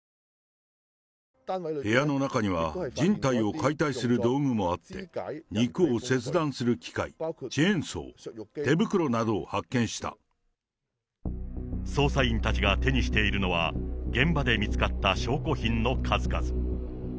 部屋の中には人体を解体する道具もあって、肉を切断する機械、チェーンソー、捜査員たちが手にしているのは、現場で見つかった証拠品の数々。